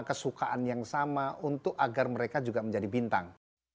kesukaan yang sama untuk agar mereka juga menjadi bintang